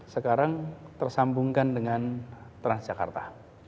sekarang tersambungkan dengan transjakarta